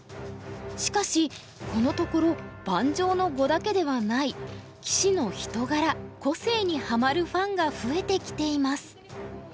しかしこのところ盤上の碁だけではない棋士の人柄・個性にハマるファンが増えてきています。